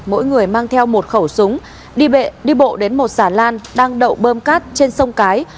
mỗi người mang theo một khẩu súng đi bệ đi bộ đến một xà lan đang đậu bơm cát trên sông cái